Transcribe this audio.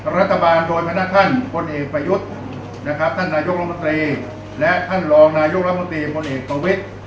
รัฐบาลโดยพนักท่านพลเอกประยุทธ์นะครับท่านนายกรมนตรีและท่านรองนายกรัฐมนตรีพลเอกประวิทธิ์